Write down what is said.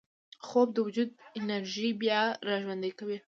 خوب د وجود انرژي بیا راژوندي کوي